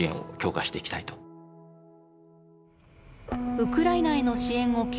ウクライナへの支援を継続する